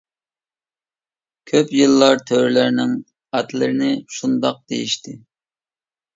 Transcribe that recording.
كۆپ يىللار تۆرىلەرنىڭ ئاتلىرىنى شۇنداق دېيىشتى.